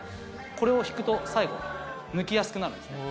これを引くと最後抜きやすくなるんですね。